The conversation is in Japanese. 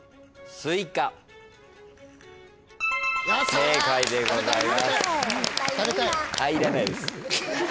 正解でございます。